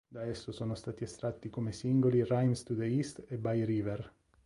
Da esso sono stati estratti come singoli "Rhymes to the East" e "Bye River".